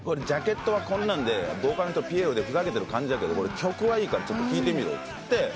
ジャケットはこんなんでボーカルの人ピエロでふざけてる感じだけど曲はいいからちょっと聴いてみろ」って。